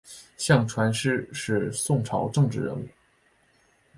向传师是宋朝政治人物。